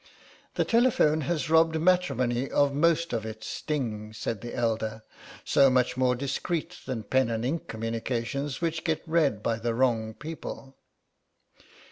"The telephone has robbed matrimony of most of its sting," said the elder; "so much more discreet than pen and ink communications which get read by the wrong people."